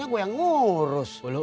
gua kagak bisa di